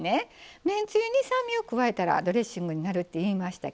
めんつゆに酸味を加えたらドレッシングになるって言いましたけど